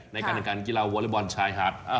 ในการอันการกีฬาวอเลอร์บอลชายหาด